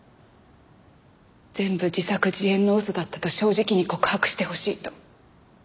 全部自作自演の嘘だったと正直に告白してほしいと。